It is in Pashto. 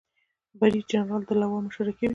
بریدجنرال د لوا مشري کوي